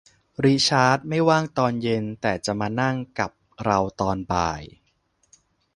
ริชาร์ดไม่ว่างตอนเย็น แต่จะมานั่งกับเราตอนบ่าย